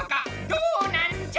どうなんじゃ！